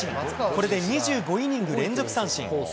これで２５イニング連続三振。